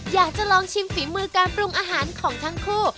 อยากจะลองชิมฝีมือการปรุงอาหารของทั้งคู่